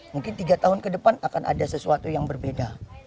mungkin tiga tahun ke depan akan ada sesuatu yang berbeda